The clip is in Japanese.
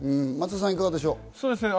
松田さんはいかがでしょう。